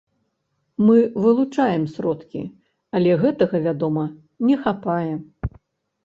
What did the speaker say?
Мы вылучаем сродкі, але гэтага, вядома, не хапае.